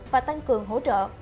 và tăng cường hỗ trợ